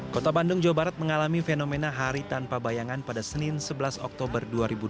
kota bandung jawa barat mengalami fenomena hari tanpa bayangan pada senin sebelas oktober dua ribu dua puluh